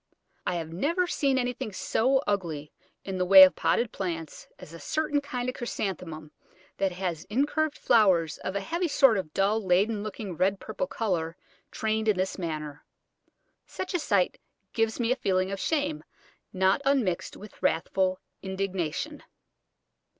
I have never seen anything so ugly in the way of potted plants as a certain kind of Chrysanthemum that has incurved flowers of a heavy sort of dull leaden looking red purple colour trained in this manner. Such a sight gives me a feeling of shame, not unmixed with wrathful indignation.